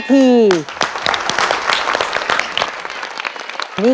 เร็ว